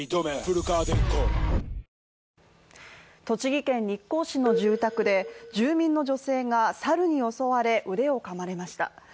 栃木県日光市の住宅で、住民の女性がサルに襲われ、腕を噛まれました。